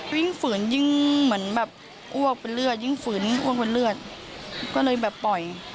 ฝืนยิ่งเหมือนแบบอ้วกเป็นเลือดยิ่งฝืนอ้วกเป็นเลือดก็เลยแบบปล่อย